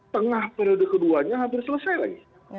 tengah periode keduanya hampir selesai lagi